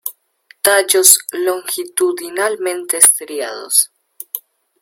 Tallos longitudinalmente estriados.